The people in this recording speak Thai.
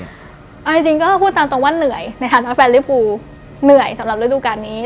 เอาจริงก็พูดตามตรงว่าเหนื่อยในฐานะแฟนริภูเหนื่อยสำหรับฤดูการนี้